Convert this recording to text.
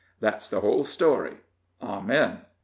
Thet's the whole story. Amen."